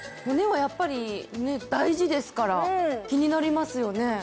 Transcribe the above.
骨はやっぱりね大事ですから気になりますよね